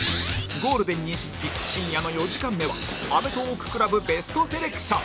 ゴールデンに続き深夜の４時間目はアメトーーク ＣＬＵＢＢＥＳＴ セレクション